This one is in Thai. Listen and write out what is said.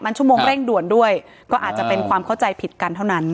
มันชั่วโมงเร่งด่วนด้วยก็อาจจะเป็นความเข้าใจผิดกันเท่านั้น